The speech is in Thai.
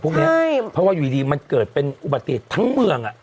เพราะว่าอยู่ดีมันเกิดเป็นอุบัติเหตุทั้งเมืองอ่ะ